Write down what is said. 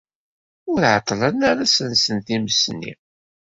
Ur ɛeṭṭlen ara ssensen times-nni.